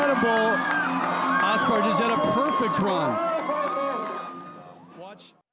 menakjubkan aspar jailolo melakukan perjalanan yang sempurna